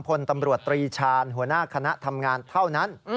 พลตำรวจตรีชาญหัวหน้าคณะทำงานเท่านั้น